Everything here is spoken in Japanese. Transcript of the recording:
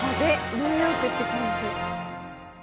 ニューヨークって感じ。